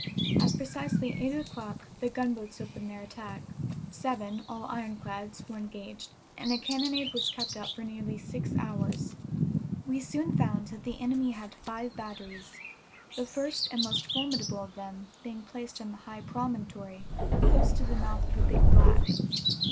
At precisely eight o'clock the gunboats opened their attack. Seven, all ironclads, were engaged, and a cannonade was kept up for nearly six hours. We soon found that the enemy had five batteries, the first and most formidable of them being placed on the high promontory close to the mouth of the Big Black.